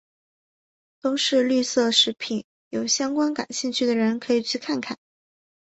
都是绿色食品有相关感兴趣的人可以去看看。